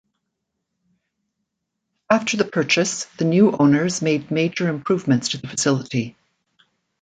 After the purchase, the new owners made major improvements to the facility.